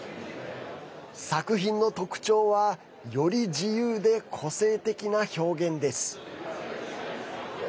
作品の特徴はより自由で個性的な表現です。